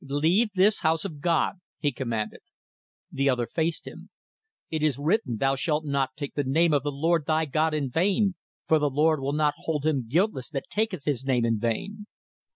"Leave this house of God," he commanded. The other faced him. "It is written, Thou shalt not take the name of the Lord thy God in vain, for the Lord will not hold him guiltless that taketh His name in vain."